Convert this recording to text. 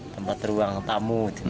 tempat ruang tamu